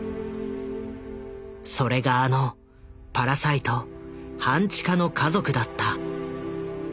それがあの「パラサイト半地下の家族」だった。